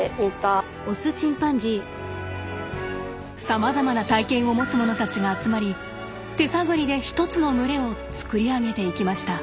さまざまな体験を持つ者たちが集まり手探りで一つの群れを作り上げていきました。